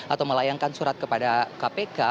atau melayangkan surat kepada kpk